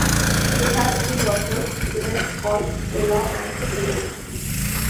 They had two daughters together called Della and Lindy.